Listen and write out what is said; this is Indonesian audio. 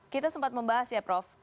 kita sempat membahas ya prof